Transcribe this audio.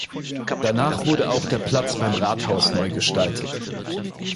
Danach wurde auch der Platz beim Rathaus neu gestaltet.